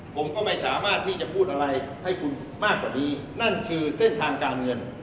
ผมก็ไม่สามารถที่จะพูดอะไรให้คุณมากกว่านี้นั่นคือเส้นทางการเงิน